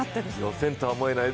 予選とは思えない。